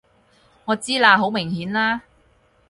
我知啦！好明顯啦！